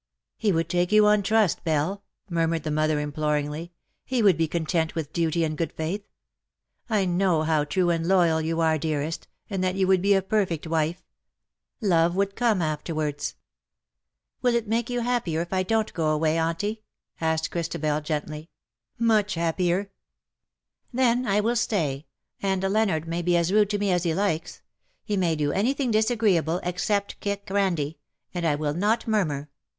^^ '^He would take you on trust, Belle,"^ murmured the mother, imploringly; "he would be content with duty and good faith. I know how true and loyal you are, dearest, and that you would be a perfect wife. Love would come afterwards/' 102 " BUT HERE IS ONE WHO '*" Will it make you happier if I don^t go away, Auutie ?'' asked Christabel, gently. " Mucli happier.'" " Then I will stay ; and Leonard may be as rude to me as he likes ; he may do anything disagreeable, except kick Ran die ; and I will not murmur.